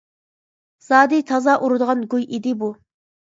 -زادى تازا ئۇرىدىغان گۇي ئىدى بۇ!